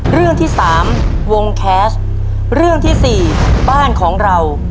เรื่องที่สามวงแคสต์เรื่องที่สี่บ้านของเรา